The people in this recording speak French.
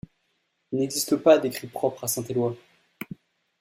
Il n’existe pas d’écrit propre à Saint-Éloy.